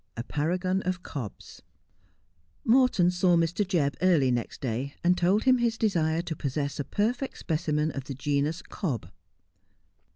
A PARAGON OF COB& Morton saw Mr. Jebb early next day, and told him his desire to possess a perfect specimen of the genus cob.